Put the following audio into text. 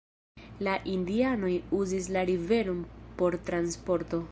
La indianoj uzis la riveron por transporto.